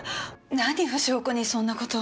何を証拠にそんな事を。